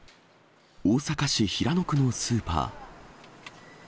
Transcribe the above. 大阪市平野区のスーパー。